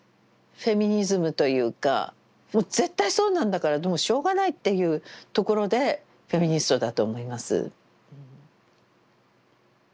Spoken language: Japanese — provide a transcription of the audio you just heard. もう絶対そうなんだからもうしょうがないっていうところでフェミニストだと思います。